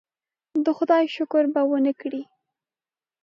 د خدای شکر به هم ونه کړي.